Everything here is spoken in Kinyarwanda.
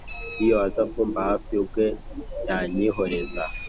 iyo aza kumba hafi ubwe yanyihoreza